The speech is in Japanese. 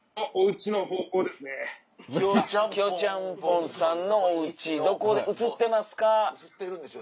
ちゃんぽんさんのお家映ってますか？